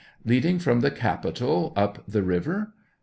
Leading from the capitol up the river